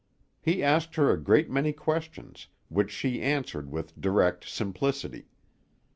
He asked her a great many questions, which she answered with direct simplicity.